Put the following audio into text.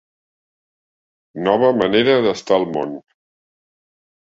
«nova manera d'estar al món».